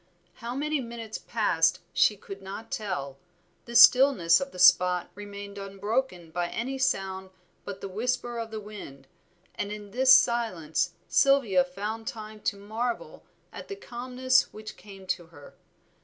How many minutes passed she could not tell, the stillness of the spot remained unbroken by any sound but the whisper of the wind, and in this silence Sylvia found time to marvel at the calmness which came to her.